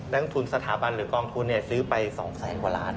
ลงทุนสถาบันหรือกองทุนซื้อไป๒แสนกว่าล้าน